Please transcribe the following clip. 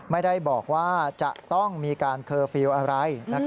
ไม่ได้บอกว่าจะต้องมีการเคอร์ฟิลล์อะไร